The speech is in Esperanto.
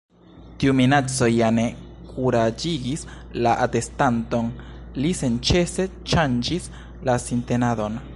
Tiu minaco ja ne kuraĝigis la atestanton. Li senĉese ŝanĝis la sintenadon.